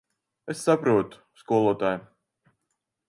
Es saprotu, skolotāj.